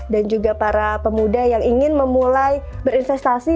juga para pemuda yang ingin memulai berinvestasi